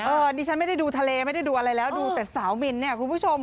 ดิฉันไม่ได้ดูทะเลไม่ได้ดูอะไรแล้วดูแต่สาวมินเนี่ยคุณผู้ชม